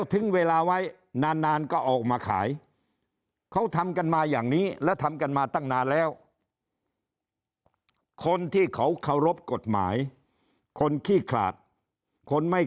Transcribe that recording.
ทำกันมาตั้งนานแล้วคนที่เขารบกฎหมายคนขี้ขาดคนไม่